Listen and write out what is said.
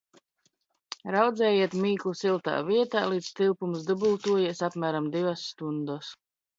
Raudzējiet mīklu siltā vietā, līdz tilpums dubultojies – apmēram divas stundas.